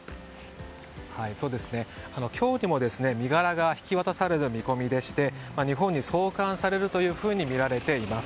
今日にも身柄が引き渡される見込みでして日本に送還されるとみられています。